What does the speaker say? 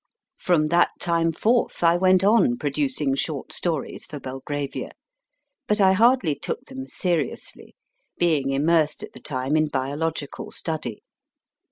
From that time forth, I went on producing short stories for Belgravia ; but I hardly took them seriously, being immersed at the time in biological study.